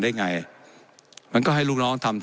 และยังเป็นประธานกรรมการอีก